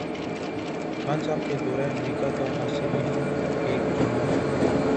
خان صاحب کے دورہ امریکہ کا حاصل یہی ایک جملہ ہے۔